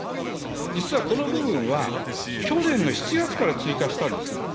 実はこの部分は、去年の７月から追加したんですよ。